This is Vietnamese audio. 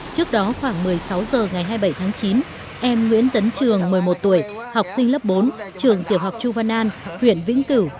trước đó khoảng một mươi sáu h ngày hai mươi bảy tháng chín em nguyễn tấn trường một mươi một tuổi học sinh lớp bốn trường tiểu học chu văn an huyện vĩnh cửu